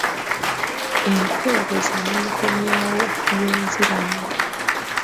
Empeereza n’enkomyawo y’enzirwamu